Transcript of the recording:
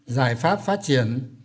giải pháp phát triển